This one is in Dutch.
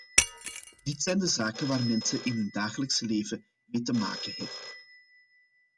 Dit zijn de zaken waar mensen in hun dagelijks leven mee te maken hebben.